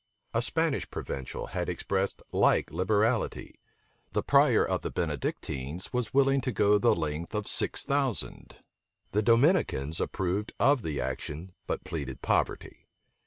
A Spanish provincial had expressed like liberality: the prior of the Benedictines was willing to go the length of six thousand. The Dominicans approved of the action, but pleaded poverty.